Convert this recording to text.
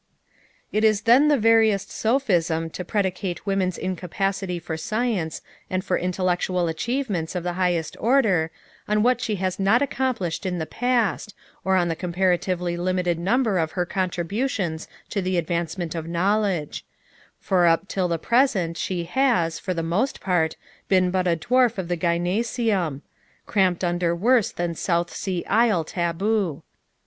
It is then the veriest sophism to predicate woman's incapacity for science and for intellectual achievements of the highest order on what she has not accomplished in the past, or on the comparatively limited number of her contributions to the advancement of knowledge; for up till the present she has, for the most part, been but a dwarf of the gynæceum, "Cramp'd under worse than South sea isle taboo."